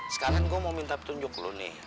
sekarang gua mau minta petunjuk lu nih